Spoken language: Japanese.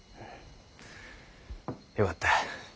よかった。